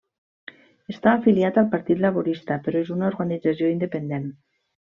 Està afiliat al partit laborista però és una organització independent.